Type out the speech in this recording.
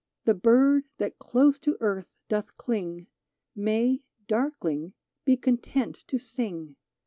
The bird that close to earth doth cling, May, darkling, be content to sing.